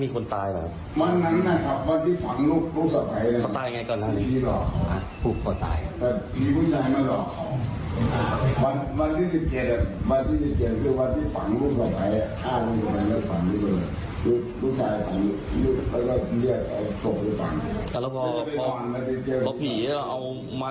เขาคงเอาแจ้งปิดผสม